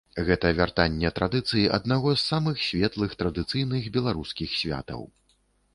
Гэта вяртанне традыцый аднаго з самых светлых традыцыйных беларускіх святаў.